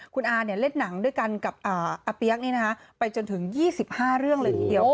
คุณอาเล่นหนังด้วยกันกับอาเปี๊ยกไปจนถึง๒๕เรื่องเลยทีเดียว